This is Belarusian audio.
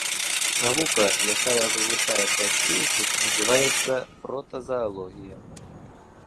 Навука, якая вывучае прасцейшых, называецца протазаалогія.